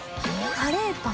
カレーパン？